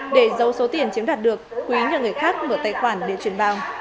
để giấu số tiền chiếm đoạt được quý nhờ người khác mở tài khoản để chuyển vào